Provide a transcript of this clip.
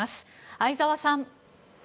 相沢さん。